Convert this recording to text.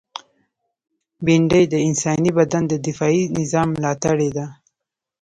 بېنډۍ د انساني بدن د دفاعي نظام ملاتړې ده